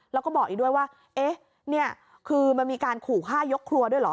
แล้วก็บอกอีกด้วยว่าเอ๊ะนี่คือมันมีการขู่ฆ่ายกครัวด้วยเหรอ